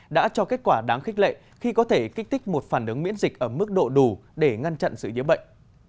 đã cho kết quả đáng khích lệ khi có thể kích tích một phản ứng miễn dịch ở mức độ đủ để ngăn chặn sự nhiễm bệnh